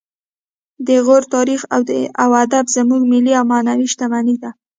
د غور تاریخ او ادب زموږ ملي او معنوي شتمني ده